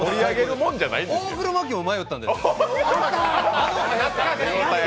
大黒摩季と迷ったんです。